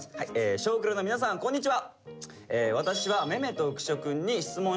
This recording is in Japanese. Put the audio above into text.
「『少クラ』の皆さんこんにちは」。